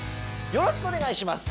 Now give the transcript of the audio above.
よろしくお願いします。